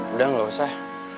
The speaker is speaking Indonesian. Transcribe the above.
udah gak usah